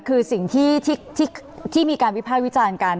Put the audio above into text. คือสิ่งที่มีการวิภาควิจารณ์กัน